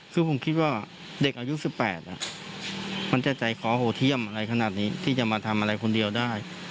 คือผมคิดว่าเด็กอายุ๑๘มันจะใจคอโหดเที่ยมอะไรขนาดนี้ที่จะมาทำอะไรคนเดียวได้